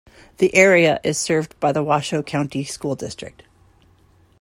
The area is served by the Washoe County School District.